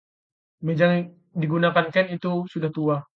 Meja yang digunakan Ken itu sudah tua.